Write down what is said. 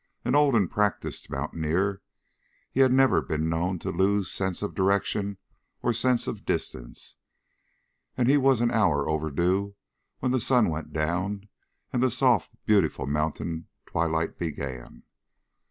An old and practiced mountaineer, he had never been known to lose sense of direction or sense of distance, and he was an hour overdue when the sun went down and the soft, beautiful mountain twilight began.